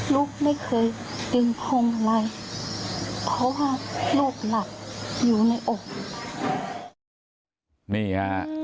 ลูกไม่เคยดึงพงอะไรเพราะว่าลูกหลับอยู่ในอกนี่ฮะ